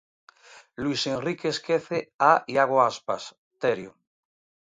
Luís Enrique esquece a Iago Aspas, Terio.